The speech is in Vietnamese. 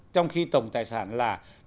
trong khi tổng cộng đồng của dqs